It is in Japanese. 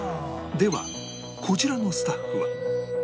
ではこちらのスタッフは？